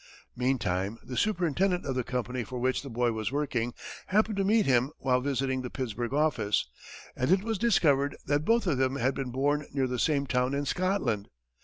Meantime the superintendent of the company for which the boy was working happened to meet him while visiting the Pittsburgh office, and it was discovered that both of them had been born near the same town in Scotland.